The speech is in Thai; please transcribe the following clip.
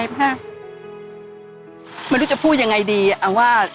ที่ลูกประชาชนชาวไทยมีต่อพ่อของแผ่นดิน